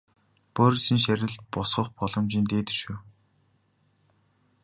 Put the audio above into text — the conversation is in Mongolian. Борисын шарилд босгох боломжийн дээд хөшөө.